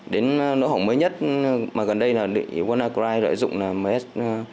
đến lỗ hỏng mới nhất mà gần đây là wannacry đợi dụng là ms một mươi bảy nghìn một mươi